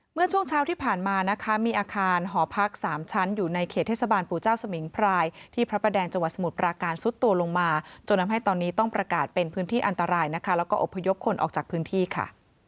เมื่อช่วงเช้าที่ผ่านมานะคะมีอาคารหอพัก๓ชั้นอยู่ในเขตเทศบาลปู่เจ้าสมิงพรายที่พระประแดงจังหวัดสมุทรปราการซุดตัวลงมาจนทำให้ตอนนี้ต้องประกาศเป็นพื้นที่อันตรายนะคะแล้วก็อบพยพคนออกจากพื้นที่ค่ะ